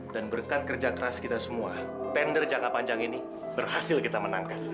dan berkat kerja keras kita semua tender jangka panjang ini berhasil kita menangkan